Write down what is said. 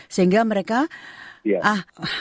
sehingga mereka ah berpikir pikir